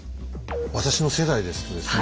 私の世代ですとですね